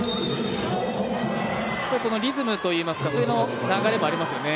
このリズムといいますか流れもありますよね。